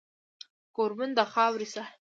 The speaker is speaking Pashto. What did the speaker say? کوربون د خاورې شه